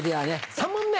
３問目。